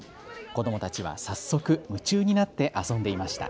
子どもたちは早速、夢中になって遊んでいました。